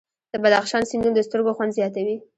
د بدخشان سیندونه د سترګو خوند زیاتوي.